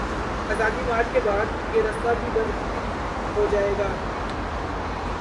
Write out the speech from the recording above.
آزادی مارچ کے بعد، یہ راستہ بھی بند ہو جائے گا۔